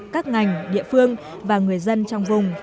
các ngành địa phương và người dân trong vùng